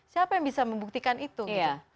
siapa yang bisa membuktikan itu gitu